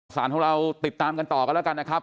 สารของเราติดตามกันต่อกันแล้วกันนะครับ